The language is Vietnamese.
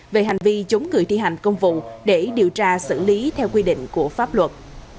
về hành vi chống người thi hành công vụ để điều tra xử lý theo quy định của pháp luật